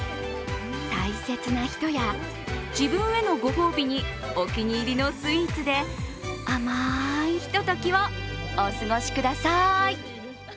大切な人や自分へのご褒美にお気に入りのスイーツで、あまいひとときをお過ごしください。